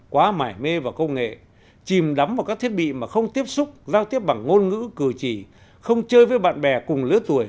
quá mải mê và công nghệ chìm đắm vào các thiết bị mà không tiếp xúc giao tiếp bằng ngôn ngữ cử chỉ không chơi với bạn bè cùng lứa tuổi